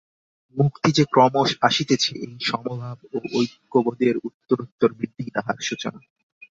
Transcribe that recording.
মুক্তি যে ক্রমশ আসিতেছে, এই সমভাব ও ঐক্যবোধের উত্তরোত্তর বৃদ্ধিই তাহার সূচনা।